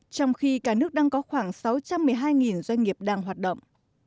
trong khi cả nước đang có khoảng sáu trăm một mươi hai doanh nghiệp đang hoạt động